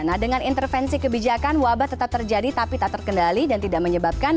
nah dengan intervensi kebijakan wabah tetap terjadi tapi tak terkendali dan tidak menyebabkan